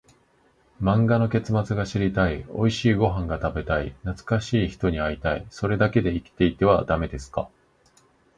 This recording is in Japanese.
漫画の結末が知りたい、おいしいご飯が食べたい、懐かしい人に会いたい、それだけで生きていてはダメですか？